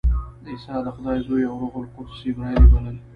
عیسی د خدای زوی او روح القدس جبراییل یې بلل.